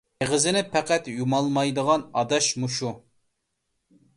ئېغىزىنى پەقەت يۇمالمايدىغان ئاداش مۇشۇ.